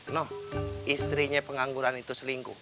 noh istrinya pengangguran itu selingkuh